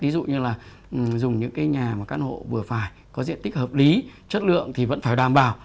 ví dụ như là dùng những cái nhà mà căn hộ vừa phải có diện tích hợp lý chất lượng thì vẫn phải đảm bảo